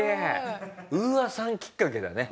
ＵＡさんきっかけだね